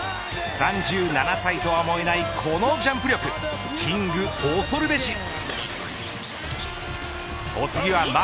３７歳とは思えないこのジャンプ力キング、恐るべし。